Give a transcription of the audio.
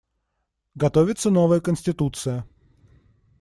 Готовится новая Конституция.